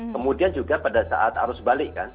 kemudian juga pada saat arus balik kan